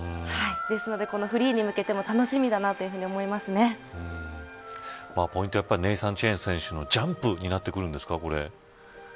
ですので、フリーに向けても楽しみだなというふうにポイントはネイサン・チェン選手のジャンプとなってくるんですか。